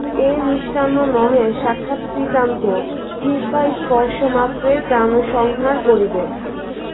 এ মিষ্টান্ন নহে — সাক্ষাৎ কৃতান্ত, জিহ্বা স্পর্শমাত্রেই প্রাণসংহার করিবেক।